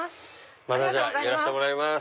また寄らしてもらいます。